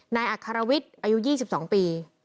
นายอัครวิทย์อายุ๒๒ปี